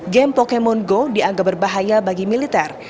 game pokemon go dianggap berbahaya bagi militer